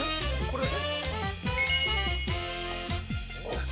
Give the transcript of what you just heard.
これ？